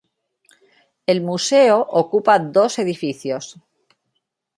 El museo ocupa dos edificios.